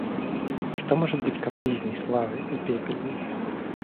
Что может быть капризней славы и пепельней?